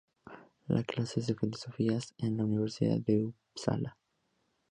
Da clases de filosofía en la Universidad de Upsala.